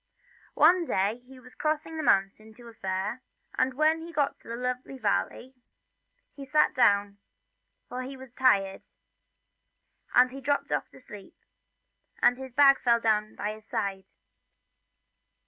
One day he was crossing the mountains to a fair, and when he got to a lonely valley he sat down, for he was tired, and he dropped off to sleep, and his bag fell down by his side.